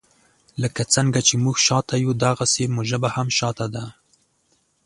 لکه څنګه چې موږ شاته یو داغسي مو ژبه هم شاته ده.